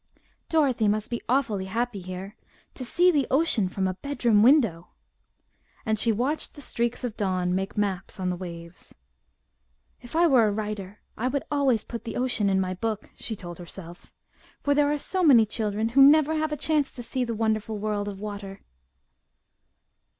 "Dorothy must be awfully happy here. To see the ocean from a bedroom window!" and she watched the streaks of dawn make maps on the waves. "If I were a writer I would always put the ocean in my book," she told herself, "for there are so many children who never have a chance to see the wonderful world of water!"